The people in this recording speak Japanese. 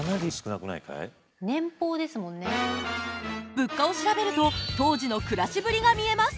物価を調べると当時の暮らしぶりが見えます。